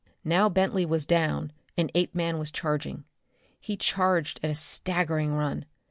Now Bentley was down, and Apeman was charging. He charged at a staggering run.